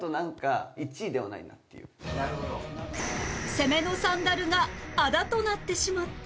攻めのサンダルがあだとなってしまった